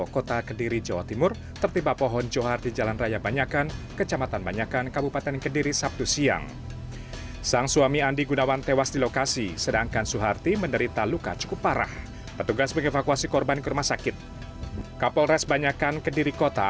kepala res banyakan kediri kota